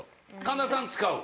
神田さん使う？